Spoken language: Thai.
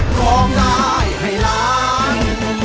ร้องได้ให้ล้าน